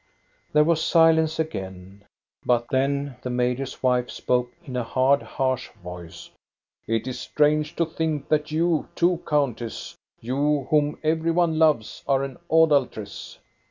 There was silence again, but then the major's wife spoke in a hard, harsh voice :— "It is strange to think that you, too, countess, you whom every one loves, are an adulteress."